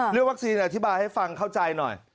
เรื่องวัคซีนอธิบายให้ฟังเข้าใจหน่อย